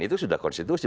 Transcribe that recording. itu sudah konstitusi